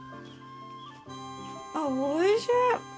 あっおいしい。